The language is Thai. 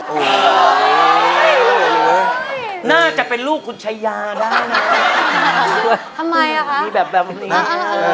โอ้ยน่าจะเป็นลูกคุณชายาได้นะทำไมล่ะคะมีแบบนี้มันเก่ง